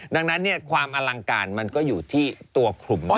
ดังนั้นความอลังการมันก็อยู่ที่ตัวขลุมบอล